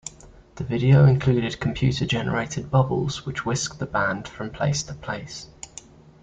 The video included computer-generated bubbles which whisked the band from place to place.